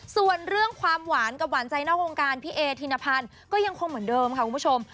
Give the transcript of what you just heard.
ส่วนเรื่องความหวานกับหวานใจนอกวงการพี่เอธินพันธ์ก็ยังคงเหมือนเดิมค่ะคุณผู้ชม